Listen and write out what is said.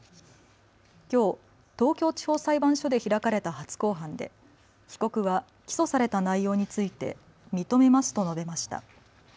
きょう東京地方裁判所で開かれた初公判で被告は起訴された内容について認めますと述べました。